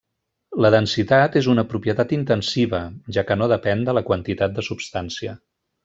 La densitat és una propietat intensiva, ja que no depèn de la quantitat de substància.